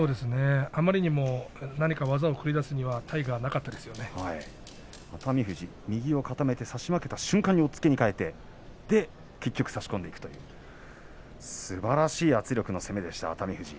あまりにも何か技を繰り出すには熱海富士に右を固めて差した瞬間に結局差していくというすばらしい圧力の攻めでした熱海富士。